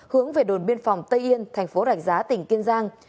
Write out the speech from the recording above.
hướng về đồn biên phòng tây yên thành phố rạch giá tỉnh kiên giang